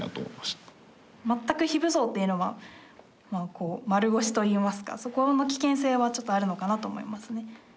全く非武装というのは丸腰といいますかそこの危険性はちょっとあるのかなと思いますね。